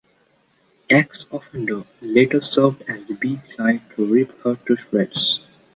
"X Offender" later served as the B-side to "Rip Her to Shreds".